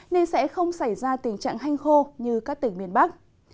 nên sẽ không xảy ra tình trạng hanh khô như các tỉnh miền bắc